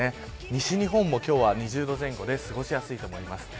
西日本も今日は２０度前後で過ごしやすいです。